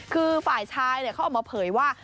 คือฝ่ายชายเขาออกมาเผยว่า